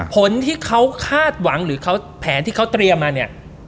ผลที่เขาคาดหวังหรือเขาแผนที่เขาเตรียมมาเนี่ย